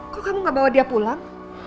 kok kamu gak bawa dia pulang